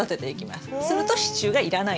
すると支柱がいらないんです。